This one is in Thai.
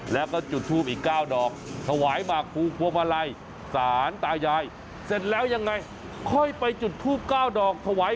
แล้วก็จุดฮูพอีก๙ดอกส่วนใหม่มาคลุคหัวมาลัยสารตายาย